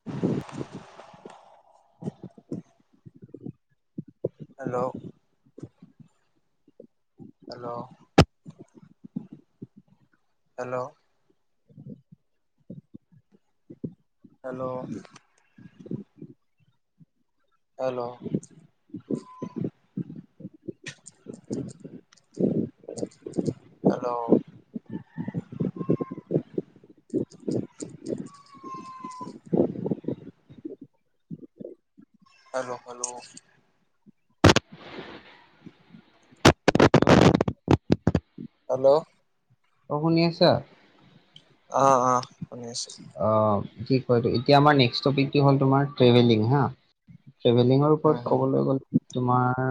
[inaudible] Hello, hello, hello, hello, hello, hello, [inaudible] hello, hello, hello, অ', শুনি আছা? অ', অ, শুনি আছো অ', কি কয়? এতিয়া আমাৰ নেক্স টপিক কি হ'ল তোমাৰ ট্ৰেভেলিং হা। ট্ৰেভেলিঙৰ উম ওপৰত হম ক'বলৈ গ'লে তোমাৰ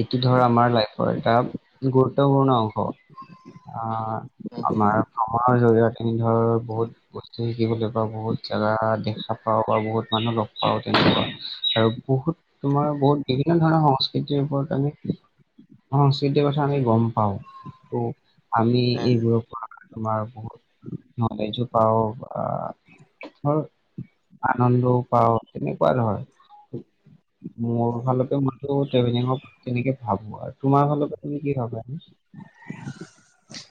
এইটো ধৰ আমাৰ লাইফৰ এটা গুৰুত্বপূৰ্ণ অংশ আহ উম হম আমাৰ আমাৰ জৰিয়তে ধৰ বহুত বস্তু শিকিবলৈ বা বহুত জাগা দেখা পাও, বা বহুত মানুহ লগ পাও। তেনেকুৱা আৰু বহুত তোমাৰ বহুত বিভিন্ন ধৰণৰ সংস্কৃতিৰ ওপৰত আমি সংস্কৃতিৰ কথা আমি গম পাওঁ। ত', আমি উম এইবোৰৰ পৰা তোমাৰ বহুত নলেজো পাও আ আনন্দও পাওঁ, তেনেকুৱা ধৰ মোৰ হম। ফালতে মানুহ ট্ৰেভেলিঙ হওঁক তেনেকে ভাবো আৰু তোমাৰ ফালৰ পৰা তুমি কি ভাবা?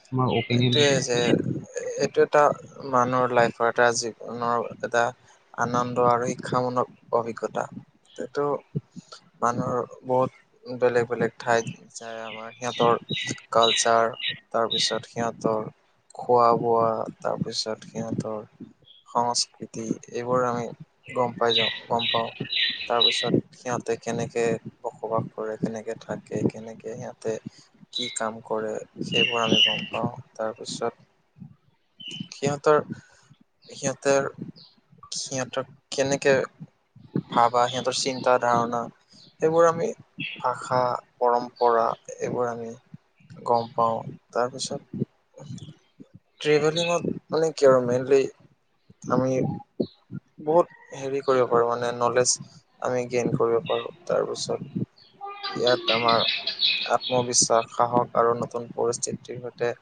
তোমাৰ অপেনিয়নটো কি হয়? খেল। এ এইটো এটা মানুহৰ লাইফৰ এটা জীৱনৰ এটা আনন্দ আৰু শিক্ষামূলক অভিজ্ঞতা, এইটো মানুহৰ বহুত বেলেগ বেলেগ ঠাইত যায়। দে আমাৰ সিহঁতৰ কালচাৰ তাৰপিছত সিহঁতৰ খোৱা বোৱা তাপিছত সিহঁতৰ সংস্কৃতি এইবোৰ আমি গ'ম পাই যাওঁ, গম পাওঁ। তাৰপিছত সিহঁতে কেনেকে বসবাস কৰে, কেনেকে থাকে, কেনেকে সিহঁতে কি কাম কৰে, সেইবোৰ আমি গম পাওঁ। তাৰপিছত সিহঁতৰ সিহঁতে আৰু সিহঁতক কেনেকে ভাবা সিহঁতৰ চিন্তা ধাৰণা এইবোৰ আমি ভাষা, পৰম্পৰা এইবোৰ আমি গ'ম পাওঁ, তাৰপিছত ট্ৰেভেলিঙত মানে কি আৰু মেইনলি আমি বহুত হেৰি কৰিব পাৰো মানে নলেজ আমি গেইন কৰিব পাৰোঁ। তাৰপাছত ইয়াত আমাৰ আত্মবিশ্বাস, সাহস আৰু নতুন পৰিস্থিতিৰ সৈতে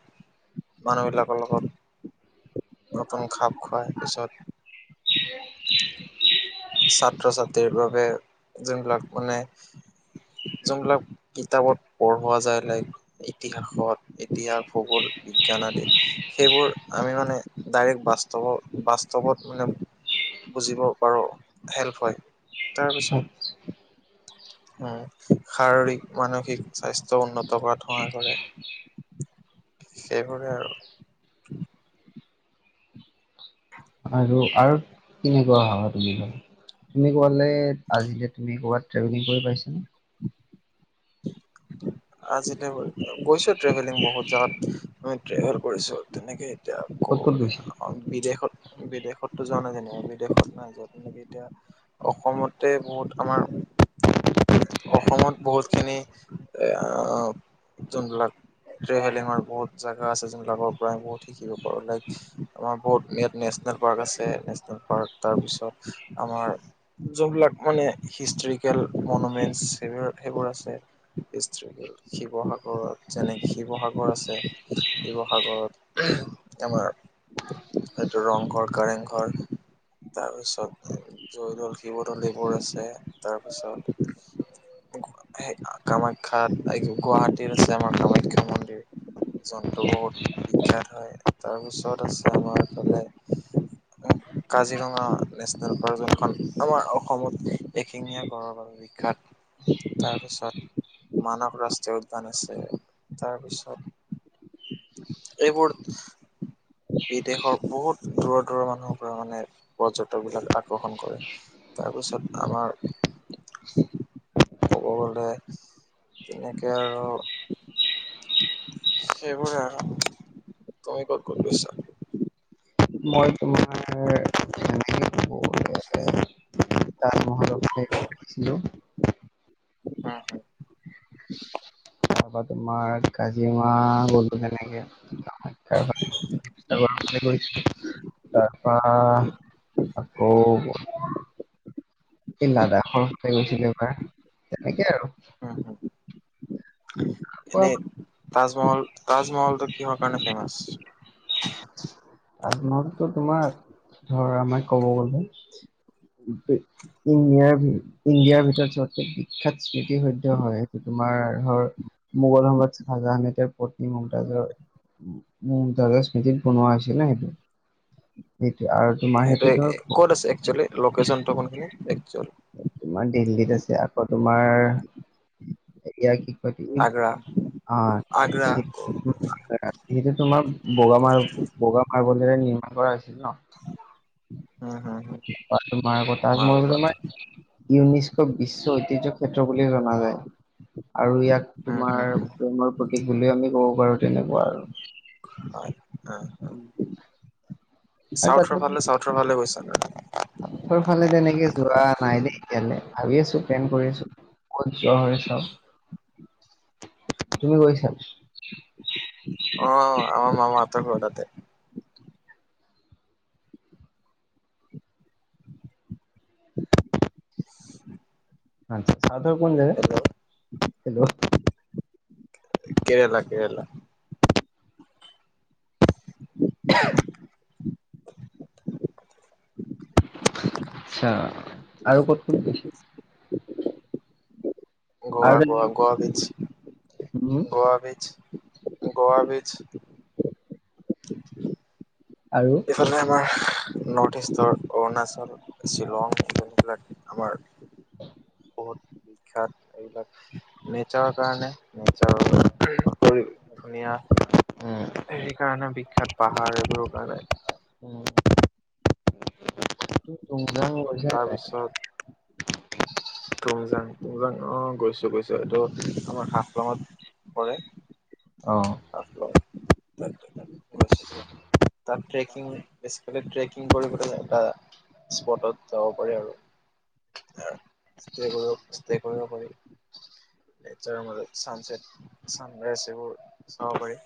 মানুহ বিলাকৰ লগত অকণ খাপ খোৱাই পিছত ছাত্ৰ ছাত্ৰীৰ বাবে যোনবিলাক মানে যোনবিলাক কিতাপত পঢ়োৱা যায় লাইক ইতিহাসত ইতিহাস, ভূগোল, বিজ্ঞান আদিত সেইবোৰ আমি মানে ডাইৰেক্ট বাস্তৱ বাস্তৱত মানে বুজিব পাৰোঁ হেল্প হয়। তাৰপিছত উম, শাৰীৰিক, মানসিক স্বাস্থ্য উন্নত কৰাত সহায় কৰে। [unintelligible] সেইবোৰে আৰু [unintelligible] আৰু আৰু কেনেকুৱা ভাবা তুমি ভাল তুমি ক'বালে আজিলে তুমি ক'বাত ট্ৰেভেলিং কৰি পাইছা ন আজিলে গৈছো ট্ৰেভেলিং বহুত জাগাত, আমি ট্ৰেভেল কৰিছো তেনেকেই এতিয়া ক'ত ক'ত গৈছা? [unintelligible] বিদেশত বিদেশতো যোৱা নাই তেনেকে বিদেশত নাই যোৱা তেনেকে এতিয়া অসমতে বহুত আমাৰ অসমত বহুত খিনি এ অঁ যোনবিলাক ট্ৰেভেলিঙৰ বহুত জেগা আছে। যোনবাকৰ পৰাই বহুত দিব পাৰো লাইক আমাৰ বহুত ইয়াত নেচনেল পাৰ্ক আছে। নেশচনেল পাৰ্ক তাৰ পিছত আমাৰ যবিলাক মানে হিষ্টৰিকেল মনুমেন্টচ সেইবোৰ সেইবোৰ আছে। হিষ্টিকেল শিৱসাগৰত যেনে শিৱসাগৰ আছে। শিৱসাগৰত আমাৰ এইটো ৰং ঘৰ, কাৰেং ঘৰ। তাৰপিছত জয়দৌল, শিৱদৌল এইবোৰ আছে। তাৰপিছত সেই কামাখ্যাত গুৱাহাটীত আছে আমাৰ কামাখ্যা মন্দিৰ। জন্তু বহুত বিখ্যাত হয়। তাৰপিছত আছে আমাৰ ফালে কাজিৰঙা নেশ্যনেল পাৰ্ক যোনখন আমাৰ অসমত এশিঙীয়া গঁড়ৰৰ বিখ্যাত তাৰপিছত মানস ৰাষ্ট্ৰীয় উদ্যান আছে, তাৰপিছত এইবোৰ বিদেশৰ বহুত দূৰৰ দূৰৰ মানুহৰ পৰা মানে পৰ্যটকবিলাক আকৰ্ষণ কৰে। তাৰপিছত আমাৰ ক'ব গ'লে তেনেকে আৰু সেইবোৰে আৰু, তই ক'ত, ক'ত লৈছ? মই তোমাৰ [unintelligible] [unintelligible] [unintelligible] [unintelligible] তাৰাপা তোমাৰ কাজিৰঙা গ'লোঁ তেনেকে। [unintelligible] তাৰপা আকৌ - এই লাডাখৰ ফালে গৈছিলো এবাৰ, তেনেকে আৰু। [unintelligible] পৰা এনে তাজমহল তাজমহলটো কিহৰ কাৰণে ফেমাচ? তাজমহলতো তোমাৰ, ধৰা আমাৰ ক'ব গলে। ইণ্ডিয়াৰ ভিত ইণ্ডিয়াৰ ভিতৰত চবতকে খ্যাত স্মৃতি সদ্য হয়, সেইটো তোমাৰ ধৰ মোগলৰ সমৰাত চাহজাহানেতে পত্নী মমতাজৰ, [unintelligible] স্মৃতিত বনোৱা হৈছিলে সেইটো, সেইটো আৰু তোমাৰ সেইটো সেইটোয়ে, ধৰ ক'ত আছে এক্সুৱেলী, লোকেচন টো কোনখিনত, এক্সুৱেল। তোমাৰ দেল্লীত আছে, আকৌ তোমাৰ এয়া কি কয় আগ্ৰা [inaudible] অ'- আগ্ৰা সেইটো তোমাৰ বগা মাৰ, বগা মাৰ্বলেৰে নিৰ্মাণ কৰা হৈছিল ন'? উম, উম। তোমাৰ আকৌ, তাজমহলটো তোমাৰ ইউনেস্কো বিশ্ব ঐতিহ্য ক্ষেত্ৰ বুলি জনা যায় আৰু ইয়াক উম, হম, তোমাৰ হম, প্ৰেমৰ প্ৰতীক বুলি আমি ক'ব পাৰোঁ তেনেকুৱা আৰু। হয় অ', অ'। আৰু তাতে চাউথৰ মানে ফালে, চাউথৰ ফালে গৈছা নে নাই? চাউথৰ ফালে তেনেকে যোৱা নাই দেই এতিয়ালে, ভাবি আছোঁ, প্লেন কৰি আছোঁ। ক'ত যোৱা হয় চাওঁ। তুমি গৈছা? অ', আমাৰ মামাহতঁৰ ঘৰ তাতে। [inaudible] আচ্ছা, চাউথৰ কোন হেল্ল' জাগাত, হেল্ল'? কেৰেলা, কেৰেলা। [inaudible] [inaudible] আচ্ছা, আৰু ক'ত ক'ত গৈছা? গোৱা, আৰু গোৱা, গোৱা বীচ্চ, উম গোৱা বীচ্চ, গোৱা বীচ্চ। আৰু? ইফালে আমাৰ নৰ্থ ইষ্টৰ, অৰুণাচল, শ্বিলং, এইবিলাক। আমাৰ বহুত বিখ্যাত। এইবিলাক নেচাৰৰ কাৰণে, নেচাৰৰ পৰি ধুনীয়া। উম, হেৰিৰ কাৰণে বিখ্যাত পাহাৰ এইবোৰৰ কাৰণে। উম, তুমি টুং জাং গৈছ তাৰপিছত টুং জাং টুং জাং অ' গৈছোঁ গৈছোঁ এইটো আমাৰ হাফলঙত পৰে। অ'। হাফলং [inaudible] তাত ট্ৰেকিং বেছি তাতে ট্ৰেকিং কৰিবলৈ এটা স্পটত যাব পাৰে আৰু। [unintelligible] ষ্টে কৰিব ষ্টে কৰিব পাৰি। নেচাৰৰ মাজত চানচেট, চানৰাইজ এইবোৰ চাব পাৰি।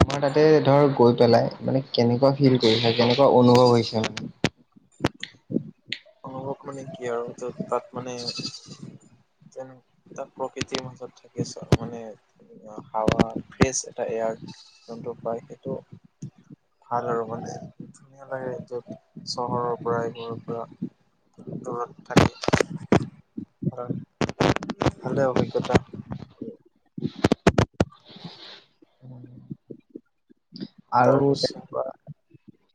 তোমাৰ তাতে ধৰ গৈ পেলাই মানে কেনেকুৱা ফিল কৰিছে কেনেকুৱা অনুভৱ হৈছে মানে। অনুভৱ মানে কি আৰু ত' তাত মানে। যেন তাত প্ৰকৃতিৰ মাজত থাকি চোৱা মানে হাৱা ফ্ৰেছ এটা এয়াৰ যোনটো পায় সেইটো ভাল আৰু মানে, ধুনীয়া লাগে য'ত চহৰৰ পৰা এইবোৰৰ পৰা দূৰত থাকে, অ'। ভালে অভিজ্ঞতা। [inaudible] আৰু তাৰপিছত। তেনেকুৱা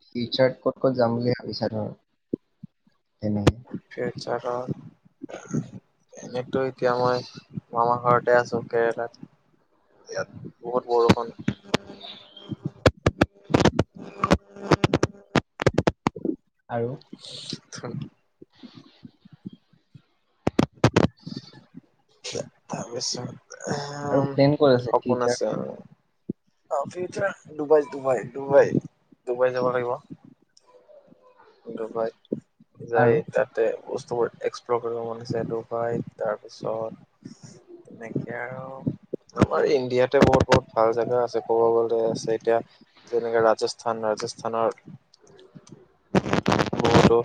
ফিউচাৰত ক'ত ক'ত যাম বুলি ভাবিছা ধৰ, এনে। ফিউচাৰত অ'। এনেতো এতিয়া মই মামাৰ ঘৰতে আছোঁ কেৰেলাত। ইয়াত বহুত বৰষুণ। আৰু। [unintelligible] [unintelligible] আৰু প্লেন ক'ত আছে সপোন ফিউচাৰ আছে আৰু। অ' future Dubai, Dubai, Dubai, Dubai যাব লাগিব। ডুবাই আৰু যায় তাত তাতে বস্তুবোৰ এক্সপ্ল'ৰ কৰিব মন হৈছে ডুবাইত তাৰপিছত তেনেকে আৰু, আমাৰ ইণ্ডিয়াতে বহুত বহুত ভাল জেগা আছে। ক'ব গ'লে আছে এতিয়া, যেনেকে ৰাজস্থান ৰাজস্থানৰ [inaudible] বহুতো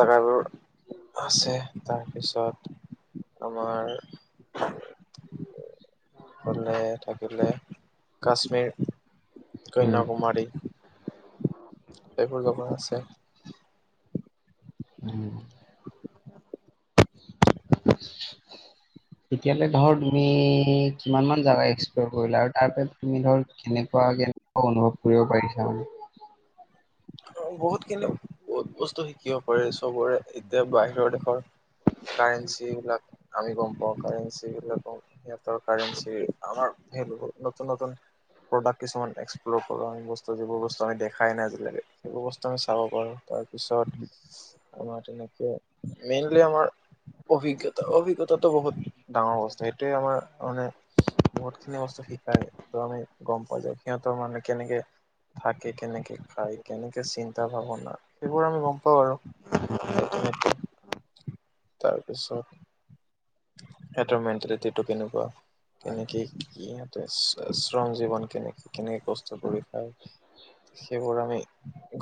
জাগাবোৰ আছে তাৰপিছত, আমাৰ ইফালে থাকিলে কাশ্মীৰ, উম। কন্যাকুমাৰী। এইবোৰ জগা আছে। উম। এতিয়ালে ধৰ তুমি কিমান মান জেগা এক্সপ্ল'ৰ কৰিলা আৰু তাৰপৰা তুমি ধৰ কেনেকুৱা কে অনুভৱ কৰিব পাৰিছা মানে। বহুতখিনিত বহুত বস্তু শিক কিয় কৰে চবৰে এতিয়া বাহিৰৰ দেশৰ কাৰেঞ্চি বিলাক আমি গম পাওঁ কাৰেঞ্চি বিলাকৰ। সিহঁতৰ কাৰঞ্চি, আমাৰ [unintelligible] নতুন নতুন প্ৰডাক্ট কিছুমান এক্সপ্লৰ কৰো আমি বস্তু যিবোৰ বস্তু আমি দেখাই নাই আজিলৈকে। সেই বস্তু আমি চাব পাৰো তাৰপিছত আমাৰ তেনেকে মেইনলি আমাৰ অভিজ্ঞতা অভিজ্ঞতাটো বহুত ডাঙৰ বস্তু। এইটোৱে আমাৰ মানে বহুতখিনি বস্তু শিকাই ত' আমি গম পোৱা যে সিহঁতৰ মানে কেনেকে থাকে কেনেকে খায় কেনেকে চিন্তা ভাৱনা সেইবোৰ আমি গম পাওঁ আৰু আল্টিমেটলি। তাৰপিছত সিহঁতৰ মেণ্টেলিটিটো কেনেকুৱা। কেনেকে আচ্ছা ইহঁতে শ্ৰম জীৱন কেনেকে কেনেকে কষ্ট কৰি খাই সেইবোৰ আমি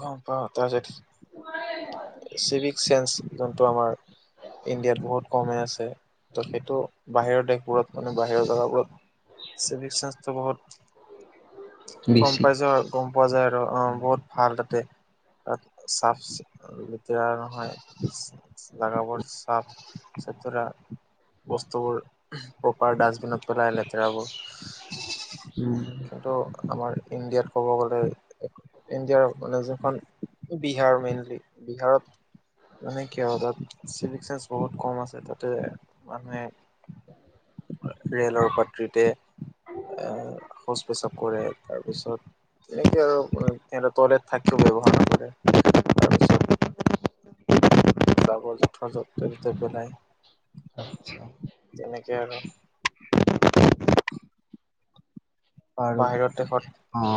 গম পাওঁ। তাৰপিছত চিভিক চেন্ঞ্চ যোনটো আমাৰ ইণ্ডিয়াত বহুত কমেই আছে ত' সেইটো বাহিৰৰ দেশবোৰত মানে বাহিৰৰ জেগাবোৰত চিভিক চেন্ঞ্চটো বহুত গম বেছি পাইছো আৰু গম পোৱা যায় আৰু অ' বহুত ভাল তাতে। তাত চাফ লেতেৰা নহয়। জাগাবোৰ চাফ চোতুৰা। বস্তুবোৰ প্ৰপাৰ ডাষ্টবিনত পেলাই লেতেৰাবোৰ। উম, কিন্তু আমাৰ ইণ্ডিয়াত ক'ব গ'লে ইণ্ডিয়াৰ মানে যোনখন বিহাৰ মেইনলি বিহাৰত মানে কি হয় তাত চিভিক চেন্ঞ্চ বহুত কম আছে। তাতে মানুহে ৰে'লৰ পাত্ৰিতে এ শৌচ প্ৰেস্ৰাৱ কৰে তাৰপিছত তেনেকে আৰু অ' প্লেট থাকিও ব্যৱহাৰ নকৰে। তাৰপিছত জাবৰ জোথৰ য'তে ত'তে পেলাই। আচ্ছা তেনেকে আৰু। বাৰু বাহিৰৰ দেশত অ'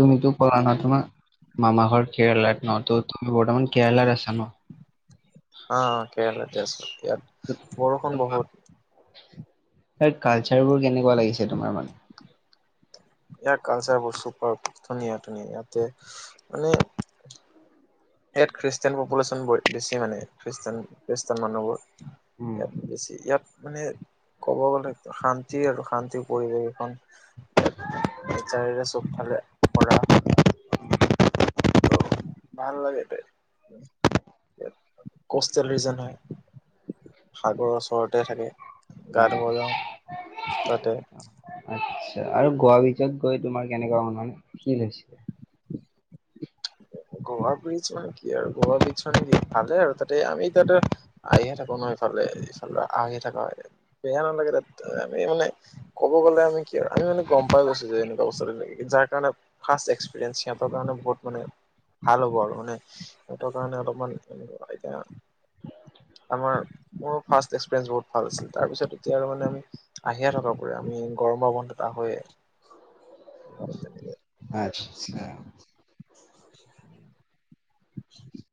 তুমিটো ক'লা ন তোমাৰ মামা ঘৰ কেৰেলাত ন ত' তুমি বৰ্তমান কেৰেলাত আছা ন? অ', অ', কেৰেলাতে আছোঁ ইয়াত। বৰষুণ বহুত তাত কালচাৰবোৰ কেনেকুৱা লাগিছে তোমাৰ মানে? ইয়াৰ কালচাৰবোৰ চুপাৰব ধুনীয়া ধুনীয়া ইয়াতে মানে ইয়াত খ্ৰীষ্টান পপুলেশ্যন ব বেছি মানে খ্ৰীষ্টান খ্ৰীষ্টান মানুহবোৰ। উম। ইয়াত বেছি ইয়াত মানে ক'ব গ'লে শান্তি আৰু শান্তিৰ পৰিৱেশ এখন ইয়াত নেচাৰেৰে চবফালে ভৰা। ত' ভাল লাগেতে ইয়াত কষ্টেলৰিজন হয়। সাগৰৰ ওচৰতে থাকে গা ধুব যাওঁ তাতে। আচ্ছা আৰু গোৱা ভিতৰত গৈ তোমাৰ কেনেকুৱা অনুমান ফ্ৰিল হৈছিলে? গোৱা ব্ৰিচ মানে কি আৰু গোৱা ব্ৰিচ মানে কি ভালে আৰু তাতে আমি তাতে আহিয়ে থাকো ন ইফালে ইফালে আহিয়ে থকা হয় বেয়া নালাগে তাত। আমি মানে ক'ব গ'লে আমি কি আমি মানে গম পাই গৈছে যে এনেকুৱা বস্তু এটা থাকে। যাৰ কাৰণে ফাৰ্ষ্ট এক্সপিৰিয়েঞ্চ সিহঁৰ কাৰণে বহুত মানে ভাল হ'ব আৰু মানে সিঁহতৰ কাৰণে অলপমান এতিয়া আমাৰ মোৰ ফ্ৰাষ্ট এক্সপিৰিয়েঞ্চ বহুত ভাল আছিল তাৰপিছত এতিয়া আৰু মানে আমি আহিয়ে থাকো পুৰা আমি গৰম বন্ধত আহোয়ে। আচ্ছা।